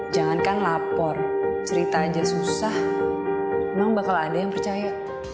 jangan kan lapor cerita aja susah memang bakal ada yang percaya